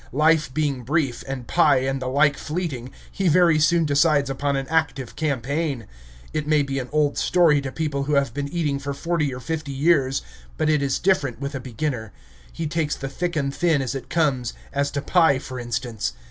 Life being brief, and pie and the like fleeting, he very soon decides upon an active campaign. It may be an old story to people who have been eating for forty or fifty years, but it is different with a beginner. He takes the thick and thin as it comes, as to pie, for instance.